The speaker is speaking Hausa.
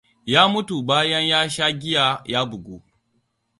Ya mutu bayan ya sha giya ya bugu.